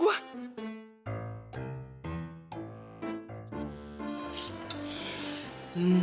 tambah dong tambah